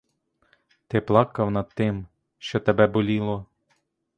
Ти плакав над тим, що тебе боліло.